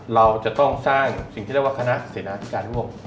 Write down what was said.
เราจะต้องสร้างสิ่งที่เรียกว่าคณะเสนาธิการร่วม